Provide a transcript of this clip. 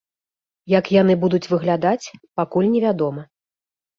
Як яны будуць выглядаць, пакуль невядома.